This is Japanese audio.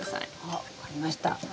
あ分かりました。